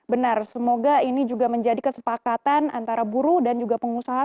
benar semoga ini juga menjadi kesepakatan antara buruh dan juga pengusaha